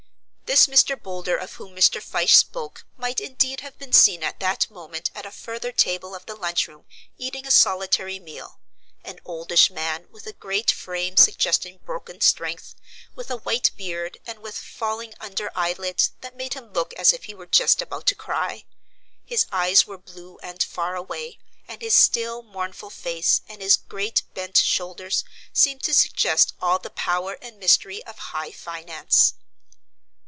This Mr. Boulder of whom Mr. Fyshe spoke might indeed have been seen at that moment at a further table of the lunch room eating a solitary meal, an oldish man with a great frame suggesting broken strength, with a white beard and with falling under eyelids that made him look as if he were just about to cry. His eyes were blue and far away, and his still, mournful face and his great bent shoulders seemed to suggest all the power and mystery of high finance.